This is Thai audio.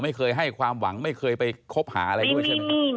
ไม่เคยให้ความหวังไม่เคยไปคบหาอะไรด้วยใช่ไหมครับ